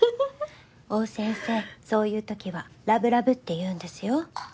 大先生そういうときはラブラブっていうんですよ。